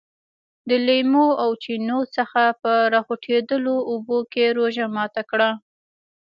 د لیمو له چینو څخه په راخوټېدلو اوبو یې روژه ماته کړه.